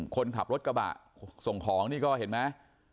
คนขับรถกระบะส่งของนี่ก็เห็นไหม